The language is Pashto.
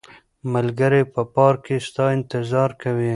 ملګري په پارک کې ستا انتظار کوي.